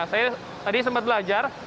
saya tadi sempat belajar